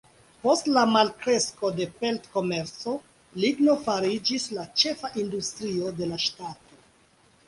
Post la malkresko de pelt-komerco, ligno fariĝis la ĉefa industrio de la ŝtato.